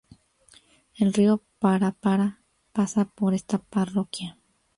El río Parapara pasa por esta parroquia.